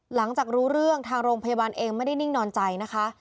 หลังจากรู้เรื่องทางโรงพยาบาลเองไม่ได้นิ่งนอนใจนะคะ